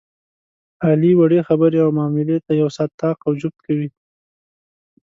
علي وړې خبرې او معاملې ته یو ساعت طاق او جفت کوي.